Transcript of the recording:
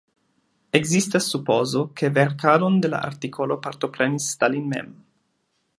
Ekzistas supozo, ke verkadon de la artikolo partoprenis Stalin mem.